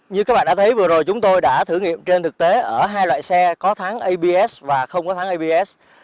như các bạn đã thấy vừa rồi chúng tôi đã thử nghiệm trên thực tế ở hai loại xe có tháng abs và không có tháng abs